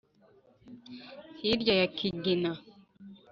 hirya ya kigina